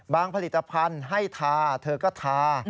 ผลิตภัณฑ์ให้ทาเธอก็ทา